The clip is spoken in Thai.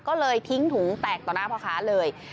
ก็เลยทิ้งถุงแตกต่อหน้าพ่อค้าเลย